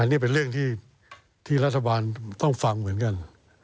นี่เป็นเรื่องที่รัฐบาลต้องฟังเหมือนกัน